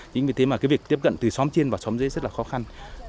chính vì thế mà cái việc tiếp cận từ xóm trên và xóm dưới rất là khó khăn